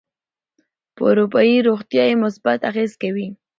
په اروایي روغتيا يې مثبت اغېز کوي.